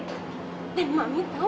dan mami tahu mereka ngelakuin apa ke aku